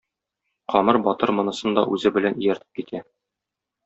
Камыр батыр монысын да үзе белән ияртеп китә.